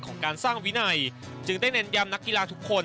ของการสร้างวินัยจึงได้เน้นย้ำนักกีฬาทุกคน